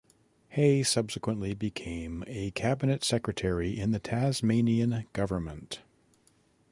Hay subsequently became a Cabinet Secretary in the Tasmanian government.